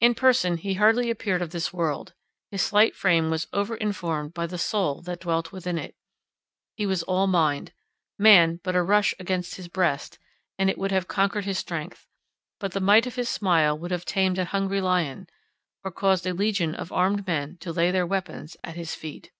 In person, he hardly appeared of this world; his slight frame was overinformed by the soul that dwelt within; he was all mind; "Man but a rush against" his breast, and it would have conquered his strength; but the might of his smile would have tamed an hungry lion, or caused a legion of armed men to lay their weapons at his feet.